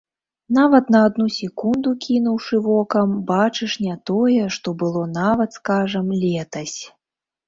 Нават на адну секунду кінуўшы вокам, бачыш не тое, што было нават, скажам, летась.